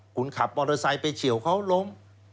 คุณขับมอเตอร์ไซค์ไปเฉียวเขาล้ม